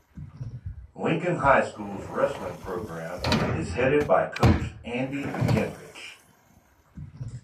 Lincoln High School's wrestling program is headed by coach Andy Genrich.